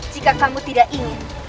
jika kamu tidak ingin